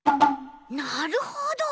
なるほど。